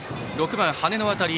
６番、羽根の当たり。